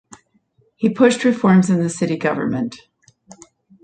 He pushed reforms in the city government.